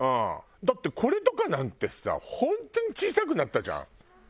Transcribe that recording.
だってこれとかなんてさホントに小さくなったじゃん。